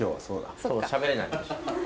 そうしゃべれないんです。